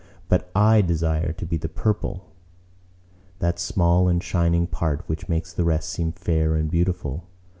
But I desire to be the purple—that small and shining part which makes the rest seem fair and beautiful.